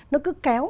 nó cứ kéo